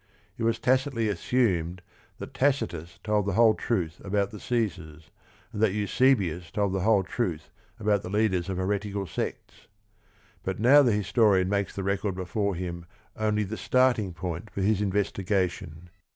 It was tacitly assumed that Tacitus told the whole truth about the Caesars, and that Eusebius told the whole truth about the leaders of heretical sects. But now the historian makes the record before him only the starting point for his investigation.